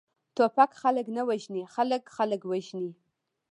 ټوپک خلک نه وژني، خلک، خلک وژني!